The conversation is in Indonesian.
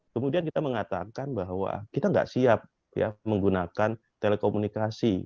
kemudian kita mengatakan bahwa kita tidak siap menggunakan telekomunikasi